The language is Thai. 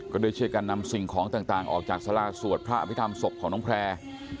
ด้วยช่วยกันนำสิ่งของต่างออกจากสาราสวดพระอภิษฐรรมศพของน้องแพร่